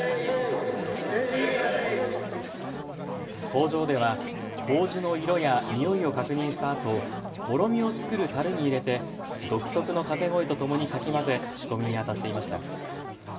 工場ではこうじの色やにおいを確認したあともろみを作るたるに入れて独特の掛け声とともにかき混ぜ仕込みに当たっていました。